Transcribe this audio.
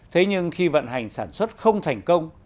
thế nhưng khi vận hành sản xuất không thành công